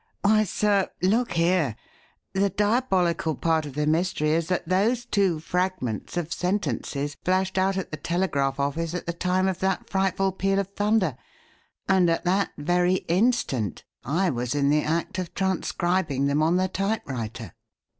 Why, sir, look here; the diabolical part of the mystery is that those two fragments of sentences flashed out at the telegraph office at the time of that frightful peal of thunder, and at that very instant I was in the act of transcribing them on the typewriter."